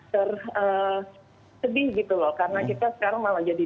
sedih gitu loh karena kita sekarang malah jadi